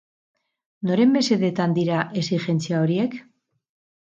Noren mesedetan dira exijentzia horiek?